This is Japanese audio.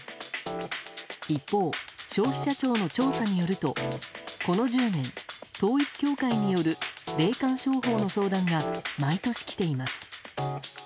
一方、消費者庁の調査によるとこの１０年、統一教会による霊感商法の相談が毎年来ています。